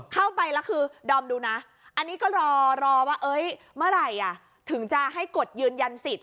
เข้าไปแล้วคือดอมดูนะอันนี้ก็รอรอว่าเมื่อไหร่ถึงจะให้กดยืนยันสิทธิ